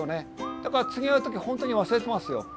だから次会う時本当に忘れてますよ。